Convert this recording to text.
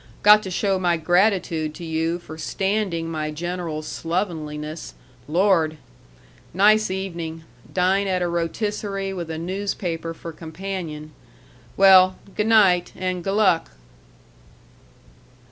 Got to show my gratitude to you for standing my general slovenliness.... Lord! nice evening dine at a rôtisserie with a newspaper for companion. Well g' night and g' luck."